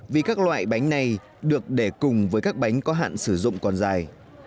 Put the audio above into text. vì các loại bánh này được để cùng với các bánh có hạn sử dụng còn dài